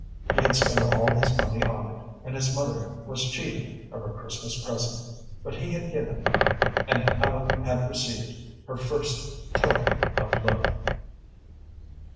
He had spent all his money on it, and his mother was cheated of her Christmas present, but he had given, and Ellen had received, her first token of love.